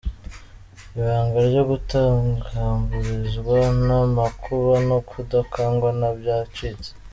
Ibanga ryo kutagamburuzwa n’amakuba no kudakangwa na byacitse.